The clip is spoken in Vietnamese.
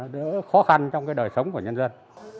đỡ khó khăn trong đời sống của nhân dân